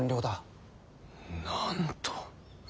なんと。